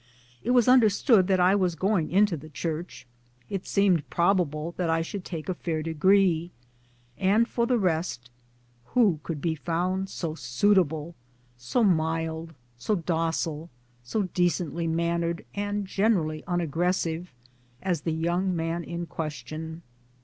It was understood that I was going into the Church ; it seemed probable that I should take a fair degree ; and for the rest, who could be found so suitable so mild, so docile, so decently mannered and generally unaggressive as the young man in question